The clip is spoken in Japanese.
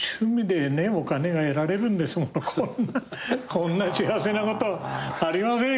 こんな幸せなことありませんよ